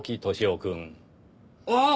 ああ！